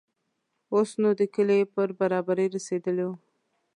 اوس نو د کلي پر برابري رسېدلي وو.